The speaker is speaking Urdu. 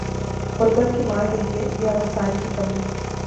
غربت کی مار کہیے یا وسائل کی کمی۔